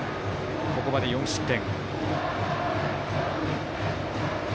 ここまで４失点。